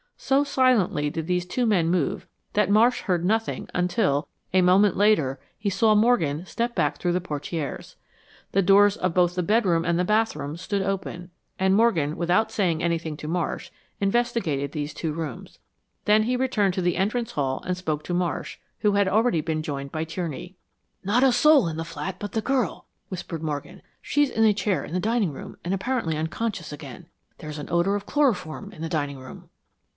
So silently did these two men move that Marsh heard, nothing until, a moment later, he saw Morgan step back through the portieres. The doors of both the bedroom and the bathroom stood open and Morgan, without saying anything to Marsh, investigated these two rooms. Then he returned to the entrance hall and spoke to Marsh, who had already been joined by Tierney. "Not a soul in the flat but the girl," whispered Morgan. "She's in a chair in the dining room, and apparently unconscious again. There's an odor of chloroform in the dining room!"